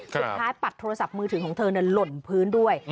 ปัดโทรศัพท์มือถือของเธอหล่นพื้นด้วย